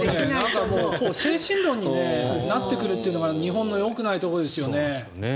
なんか、もう精神論になってくるというのが日本のよくないところですよね。